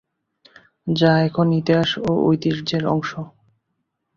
যা এখন ইতিহাস ও ঐতিহ্যের অংশ।